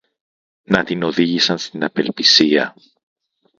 να την οδήγησαν στην απελπισία